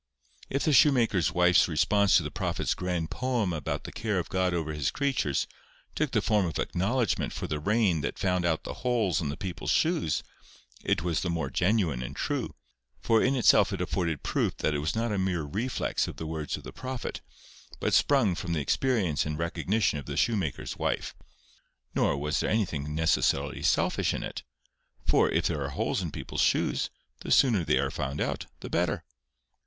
If the shoemaker's wife's response to the prophet's grand poem about the care of God over His creatures, took the form of acknowledgment for the rain that found out the holes in the people's shoes, it was the more genuine and true, for in itself it afforded proof that it was not a mere reflex of the words of the prophet, but sprung from the experience and recognition of the shoemaker's wife. Nor was there anything necessarily selfish in it, for if there are holes in people's shoes, the sooner they are found out the better.